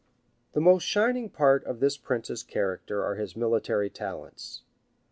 ] The most shining part of this prince's character are his military talents.